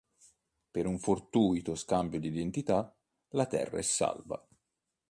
Per un fortuito scambio di identità, la Terra è salva.